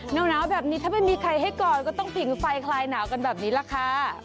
หนาวแบบนี้ถ้าไม่มีใครให้ก่อนก็ต้องผิงไฟคลายหนาวกันแบบนี้ล่ะค่ะ